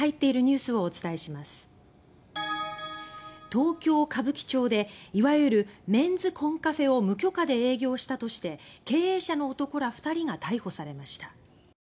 東京・歌舞伎町でいわゆるメンズコンカフェを無許可で営業したとして経営者の男ら２人が逮捕されました。